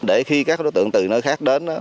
để khi các đối tượng từ nơi khác đến